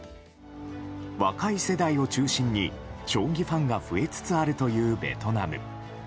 若い世代を中心に将棋ファンが増えつつあるというベトナム。